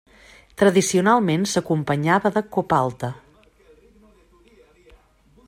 Tradicionalment s'acompanyava de copalta.